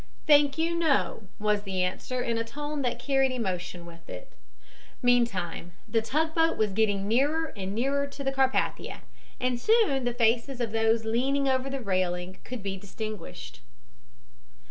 "Thank you, no," was the answer in a tone that carried emotion with it. Meantime the tugboat was getting nearer and nearer to the Carpathia, and soon the faces of those leaning over the railing could be distinguished.